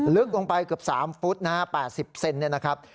ลึกลงไปเกือบ๓ฟุตนะครับ๘๐เซนติเมตรเนี่ยนะครับ